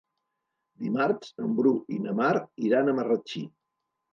Dimarts en Bru i na Mar iran a Marratxí.